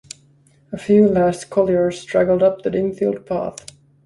A few last colliers straggled up the dim field path.